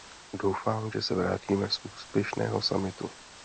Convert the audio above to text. Doufám, že se vrátíme z úspěšného summitu.